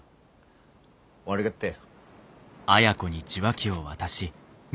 悪がったよ。